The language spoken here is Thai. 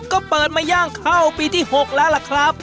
ก็เปิดมาย่างเข้าปีที่๖แล้วล่ะครับ